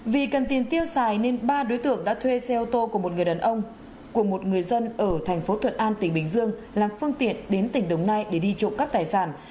vì cần tiền tiêu xài nên ba đối tượng đã thuê xe ô tô của một người đàn ông của một người dân ở thành phố thuận an tỉnh bình dương làm phương tiện đến tỉnh đồng nai để đi trộm cắp tài sản